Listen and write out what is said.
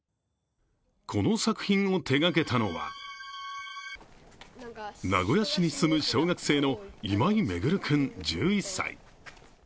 この作品を手がけたのは、名古屋市に住む小学生の今井環君１１歳。